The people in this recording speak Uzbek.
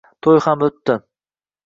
To`y ham o`tdi